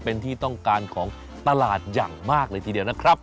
เป็นที่ต้องการของตลาดอย่างมากเลยทีเดียวนะครับ